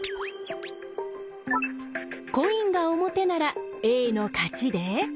コインが表ならＡの勝ちで。